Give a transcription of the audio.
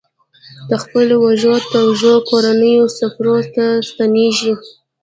د خپلو وږو تږو کورنیو څپرو ته ستنېږي.